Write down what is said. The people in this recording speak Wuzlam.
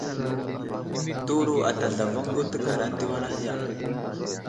Təwuro ata zlavaŋ ɗu təgara ənta wal ahe ya ?